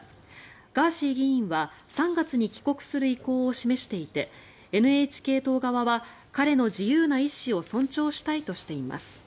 ガーシー議員は３月に帰国する意向を示していてＮＨＫ党側は彼の自由な意思を尊重したいとしています。